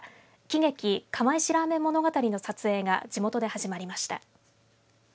喜劇釜石ラーメン物語の撮影が地元で始まりました。